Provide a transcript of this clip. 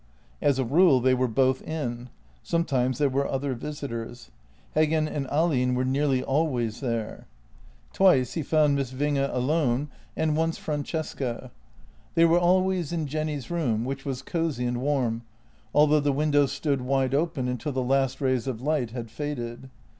As a rule they were both in; sometimes there were other visitors. Heggen and Ahlin were nearly always there. JENNY 67 Twice he found Miss Winge alone, and once Francesca. They were always in Jenny's room, which was cosy and warm, although the windows stood wide open until the last rays of light had faded.